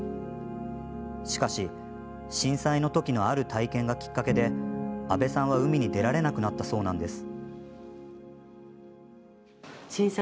しかし震災の時のある体験がきっかけで阿部さんは海に出られなくなったそうなんです。